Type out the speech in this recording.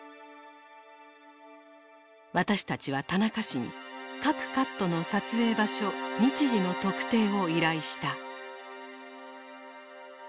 私たちは田中氏に各カットの撮影場所日時の特定を依頼した。